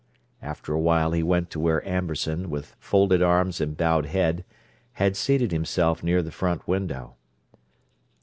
After a while he went to where Amberson, with folded arms and bowed head, had seated himself near the front window.